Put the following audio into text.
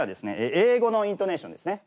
英語のイントネーションですね。